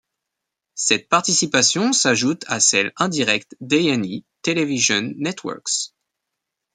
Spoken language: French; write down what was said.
Cette participation s'ajoute à celle indirecte d'A&E Television Networks.